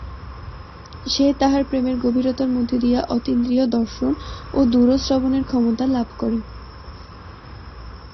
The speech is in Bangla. সে তাহার প্রেমের গভীরতার মধ্য দিয়া অতীন্দ্রিয় দর্শন ও দূর-শ্রবণের ক্ষমতা লাভ করে।